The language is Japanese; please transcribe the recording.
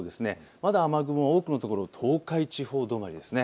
まだ雨雲は多くの所、東海地方止まりです。